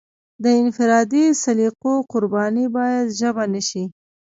د انفرادي سلیقو قرباني باید ژبه نشي.